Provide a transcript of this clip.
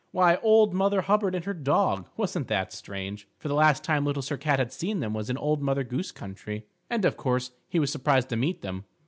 Why, Old Mother Hubbard and her dog. Wasn't that strange? For the last time Little Sir Cat had seen them was in Old Mother Goose Country, and of course he was surprised to meet them.